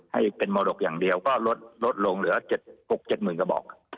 ให้เป็นมรดกอย่างเดียวก็ลดลงเหลือ๖๗หมื่นกระบอก